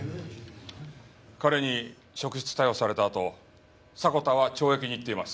彼に職質逮捕されたあと迫田は懲役にいっています。